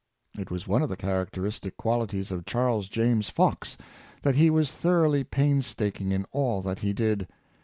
It was one of the characteris tic qualities of Charles James Fox, that he was thor oughly pains taking in all that he did.